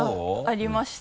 ありました。